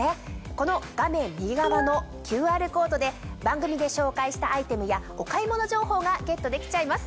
この画面右側のＱＲコードで番組で紹介したアイテムやお買い物情報がゲットできちゃいます。